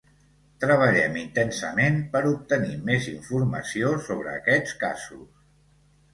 Treballem intensament per obtenir més informació sobre aquests casos.